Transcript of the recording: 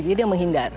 jadi dia menghindar